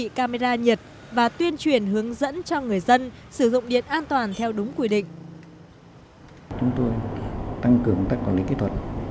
kiểm tra thiết bị camera nhiệt và tuyên truyền hướng dẫn cho người dân sử dụng điện an toàn theo đúng quy định